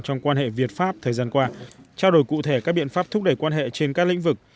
trong quan hệ việt pháp thời gian qua trao đổi cụ thể các biện pháp thúc đẩy quan hệ trên các lĩnh vực